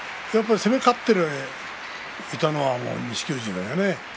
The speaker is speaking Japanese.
攻め勝っていたのは錦富士。